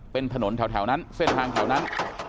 เป็นถนนแถวนั้นเส้นทางแถวนั้น